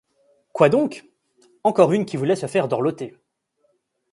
Quoi donc ? encore une qui voulait se faire dorloter !